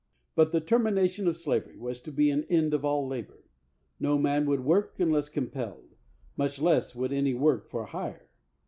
But the termination of slavery was to be an end of all labor ; no man would work unless com pelled, much less would any one work for hire.